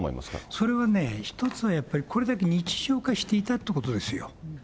それはね、一つはやっぱりこれだけ日常化していたということですよ。